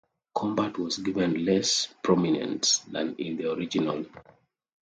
Combat was given less prominence than in the original.